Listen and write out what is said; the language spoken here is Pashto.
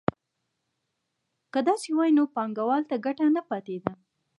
که داسې وای نو بانکوال ته ګټه نه پاتېده